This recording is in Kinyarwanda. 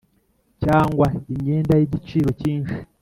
cyangwa imyenda y’igiciro cyinshi